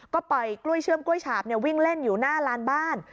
ก็ปล่อยกล้วยเชื่อมกล้วยฉาบวิ่งเล่นอยู่หน้าลานบ้าน